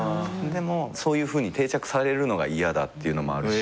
そういうふうに定着されるのが嫌だっていうのもあるし。